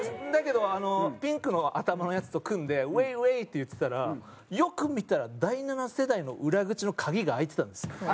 だけどピンクの頭のヤツと組んでウェイウェイって言ってたらよく見たら第七世代の裏口の鍵が開いてたんですよ。